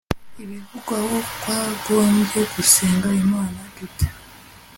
ibivugaho twagombye gusenga imana dute